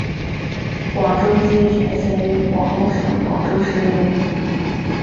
广州街全线以广东省广州市命名。